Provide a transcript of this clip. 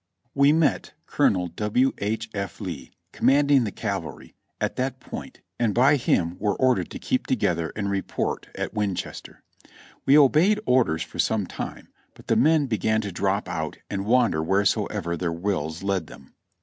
We met Colonel W. H. F. Lee, commanding the cavalry, at that point, and by him were ordered to keep together and report at Winchester. We obeyed orders for some time, but the men began to drop out and wander wheresoever their wills led them.